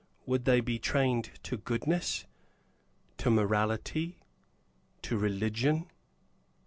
Would they be trained to goodness, to morality, to religion?